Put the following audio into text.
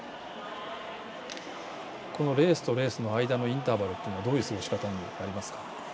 このレースとレースの間のインターバルというのはどういう過ごし方になりますか？